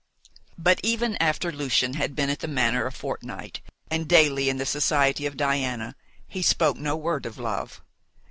But even after Lucian had been at the manor a fortnight, and daily in the society of Diana, he spoke no word of love.